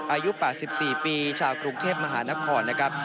อายุ๘๔ปีชาวกรุงเทพมหานครนะครับ